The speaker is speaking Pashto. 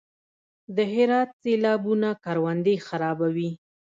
د هرات سیلابونه کروندې خرابوي؟